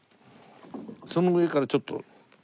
その上からちょっと。